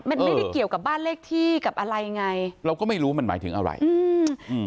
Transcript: มันไม่ได้เกี่ยวกับบ้านเลขที่กับอะไรไงเราก็ไม่รู้มันหมายถึงอะไรอืม